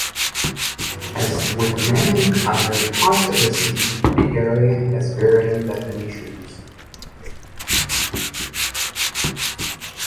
As with many other parts of the city, the area has varying definitions.